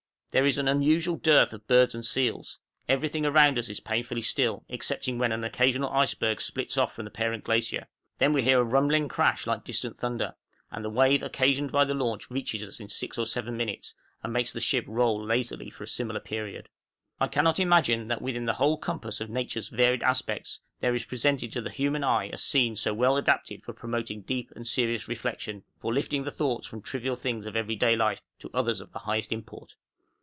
There is an unusual dearth of birds and seals; everything around us is painfully still, excepting when an occasional iceberg splits off from the parent glacier; then we hear a rumbling crash like distant thunder, and the wave occasioned by the launch reaches us in six or seven minutes, and makes the ship roll lazily for a similar period. I cannot imagine that within the whole compass of nature's varied aspects, there is presented to the human eye a scene so well adapted for promoting deep and serious reflection, for lifting the thoughts from trivial things of every day life to others of the highest import.